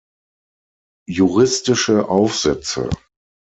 Juristische Aufsätze